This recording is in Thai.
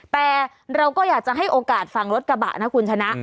แต่เราก็อยากจะให้โอกาสฝั่งรถกระบะนะคุณชนะ